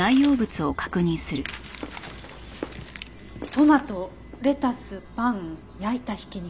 トマトレタスパン焼いた挽き肉。